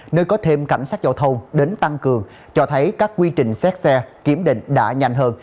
nơi có thêm cảnh sát giao thông đến tăng cường cho thấy các quy trình xét xe kiểm định đã nhanh hơn